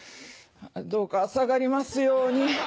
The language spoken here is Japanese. どうか下がりますように。